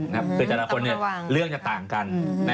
คือแต่ละคนเรื่องจะต่างกัน